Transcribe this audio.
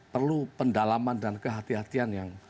perlu pendalaman dan kehati hatian yang